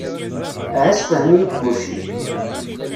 Aha ssefhem-iyi-d kullci.